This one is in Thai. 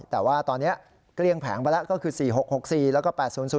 แต่ว่าตอนนี้เกลี้ยงแผงไปแล้วก็คือ๔๖๖๔แล้วก็๘๐๐